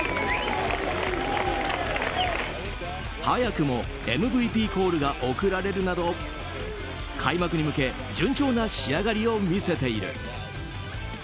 早くもＭＶＰコールが送られるなど開幕に向け順調な仕上がりを見せている。